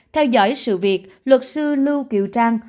theo dõi sự việc luật sư lưu kiều trang